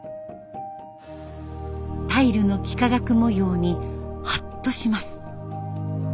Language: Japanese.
タイルの幾何学模様にハッとします。